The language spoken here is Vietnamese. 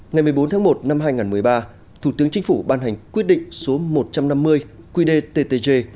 ngày một mươi bốn tháng một năm hai nghìn một mươi ba thủ tướng chính phủ ban hành quyết định số một trăm năm mươi quy đề ttg